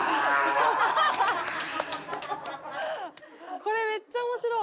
これめっちゃ面白い！